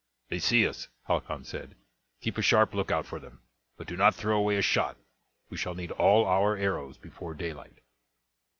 "They see us," Halcon said; "keep a sharp lookout for them, but do not throw away a shot, we shall need all our arrows before daylight."